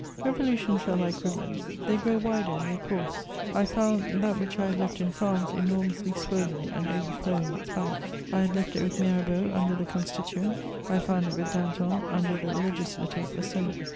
Revolutions are like rivers: they grow wider in their course; I found that which I had left in France enormously swollen and overflowing its banks: I had left it with Mirabeau under the "Constituent," I found it with Danton under the "Legislative" Assembly.